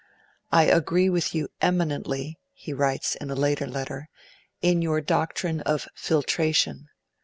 'I agree with you EMINENTLY,' he writes, in a later letter, 'in your doctrine of FILTRATION.